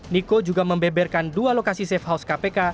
niko juga membeberkan dua lokasi safe house kpk